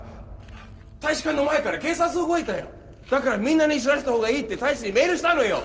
大使館の前から警察動いたよだからみんなに知らせた方がいいって大使にメールしたのよ